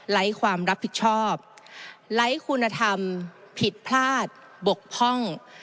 ไร้ความรับผิดชอบไร้คุณธรรมผิดพลาดบกพร่อง